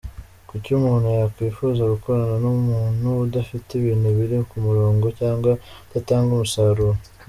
Kuki umuntu yakwifuza gukorana n’umuntu udafite ibintu biri ku murongo cyangwa udatanga umusaruro?”.